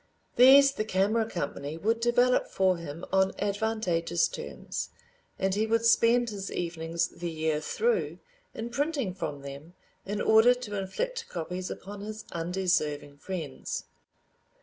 These the camera company would develop for him on advantageous terms, and he would spend his evenings the year through in printing from them in order to inflict copies upon his undeserving friends.